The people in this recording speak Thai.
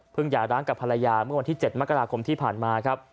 หย่าร้างกับภรรยาเมื่อวันที่๗มกราคมที่ผ่านมาครับ